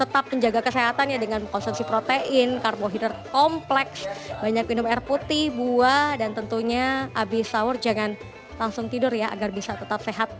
tetap menjaga kesehatan ya dengan konsumsi protein karbohidrat kompleks banyak minum air putih buah dan tentunya abis sahur jangan langsung tidur ya agar bisa tetap sehat